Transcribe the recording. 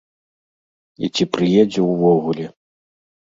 І ці прыедзе ўвогуле.